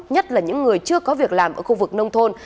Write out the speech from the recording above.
nhất là những người chưa có việc làm ở khu vực nông thôn